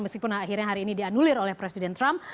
meskipun akhirnya hari ini dianulir oleh presiden trump